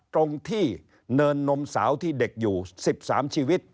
ตรงที่เนินนมสาวที่เด็กอยู่๑๓ชีวิต